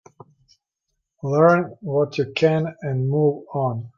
Learn what you can and move on.